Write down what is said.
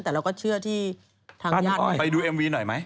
แต่เราก็เชื่อที่ทางญาติหน่อยไปดูเอ็มวีหน่อยไหม